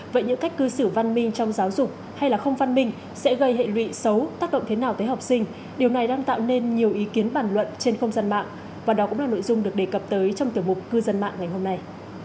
vậy những cách cư xử văn minh trong giáo dục hay là không văn minh sẽ gây hệ lụy xấu tác động thế nào tới học sinh điều này đang tạo nên nhiều ý kiến bản luận trên không gian mạng và đó cũng là nội dung được đề cập tới trong tiểu mục cư dân mạng ngày hôm nay